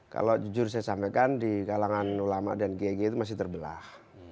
kalau jujur saya sampaikan di kalangan ulama dan gg itu masih terbelah